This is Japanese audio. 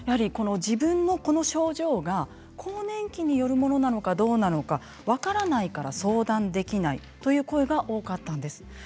自分のこの症状が更年期によるものなのかどうなのか分からないから相談できないという声が多かったんです。